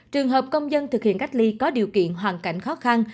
trường hợp công dân thực hiện cách ly có điều kiện hoàn cảnh khó khăn